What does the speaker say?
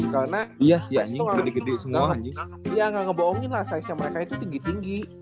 karena mereka ga ngebohongin lah size nya mereka itu tinggi tinggi